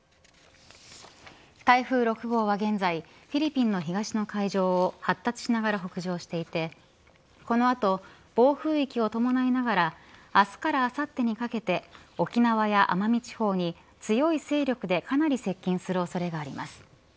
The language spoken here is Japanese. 台風６号は現在フィリピンの東の海上を発達しながら北上していてこの後、暴風域を伴いながら明日からあさってにかけて沖縄や奄美地方に強い勢力でかなり接近する恐れがあります。